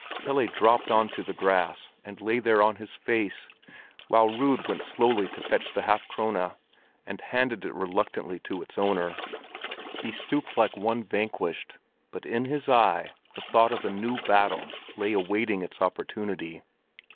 Pelle dropped on to the grass, and lay there on his face, while Rud went slowly to fetch the half krone, and handed it reluctantly to its owner. He stooped like one vanquished, but in his eye the thought of a new battle lay awaiting its opportunity.